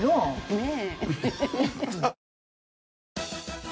ねえ。